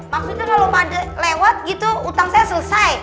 maksudnya kalau pak d lewat gitu utang saya selesai